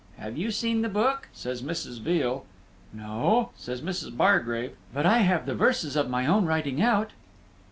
Have you seen the book?" says Mrs. Veal. "No," says Mrs. Bargrave, "but I have the verses of my own writing out."